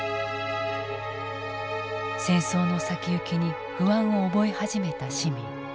戦争の先行きに不安を覚え始めた市民。